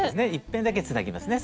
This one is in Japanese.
１辺だけつなぎますね